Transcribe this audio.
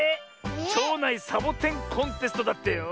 ちょうないサボテンコンテストだってよ。